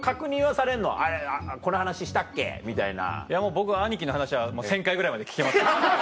僕は兄貴の話は１０００回ぐらいまで聞けますから。